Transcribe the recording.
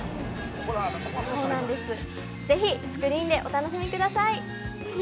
ぜひ、スクリーンでお楽しみください！